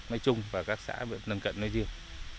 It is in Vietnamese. nơi trung và các xã bên cận nơi riêng